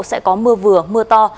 sẽ có mưa vừa mưa to